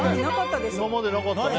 今までなかったね。